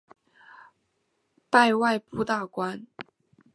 拜外部大官。